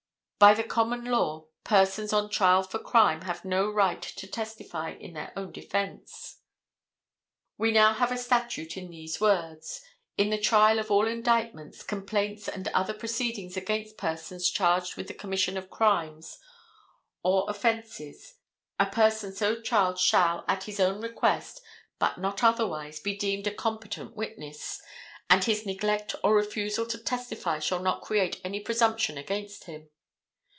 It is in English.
By the common law persons on trial for crime have no right to testify in their own defense. We have now a statute in these words: "In the trial of all indictments, complaints and other proceedings against persons charged with the commission of crimes or offences, a person so charged shall, at his own request, but not otherwise, be deemed a competent witness; and his neglect or refusal to testify shall not create any presumption against him."